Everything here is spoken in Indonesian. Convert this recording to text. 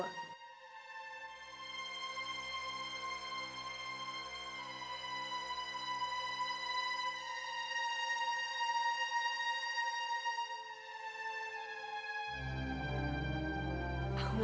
dan di bengkulu